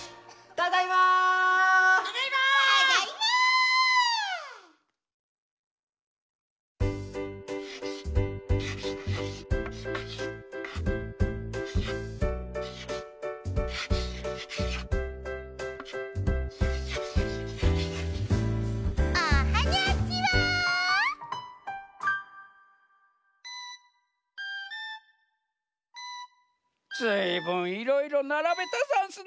ずいぶんいろいろならべたざんすね。